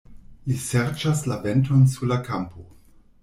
Li serĉas la venton sur la kampo.